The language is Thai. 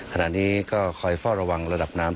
ขณะนี้ก็คอยเฝ้าระวังระดับน้ำ